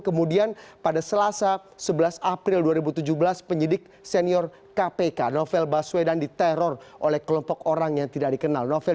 kemudian pada selasa sebelas april dua ribu tujuh belas penyidik senior kpk novel baswedan diteror oleh kelompok orang yang tidak dikenal novel